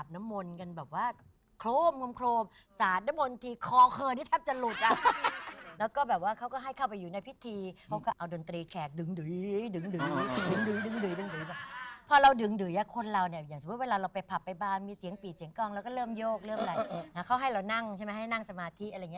ให้เรานั่งใช่ไหมให้นั่งสมาธิอะไรอย่างเงี้ย